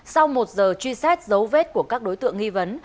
sau một giờ truy xét dấu vết của các đối tượng nghi vấn